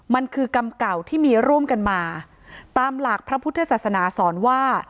มันคือกรรมเก่าที่มีร่วมกันมาตามหลักพระพุทธศาสนาสอนว่า